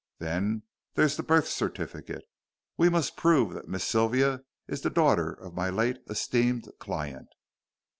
Then there's the birth certificate. We must prove that Miss Sylvia is the daughter of my late esteemed client."